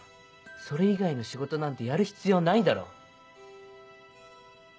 それ以外の仕事なんてやる必要ないだろ。